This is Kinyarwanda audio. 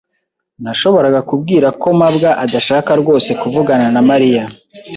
Nashoboraga kubwira ko mabwa adashaka rwose kuvugana na Mariya.